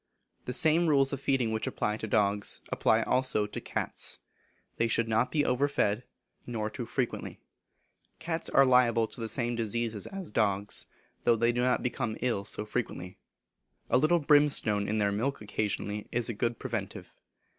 The same rules of feeding which apply to dogs apply also to cats. They should not be over fed, nor too frequently. Cats are liable to the same diseases as dogs; though they do not become ill so frequently. A little brimstone in their milk occasionally is a good preventive.